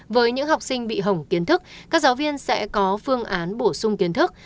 với những học sinh bị hỏng kiến thức các giáo viên sẽ có phương án bổ sung kiến thức